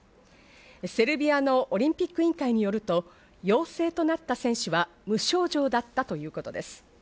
セルビアのオリンピック委員会によりますと、陽性となった選手は無症状だったということです。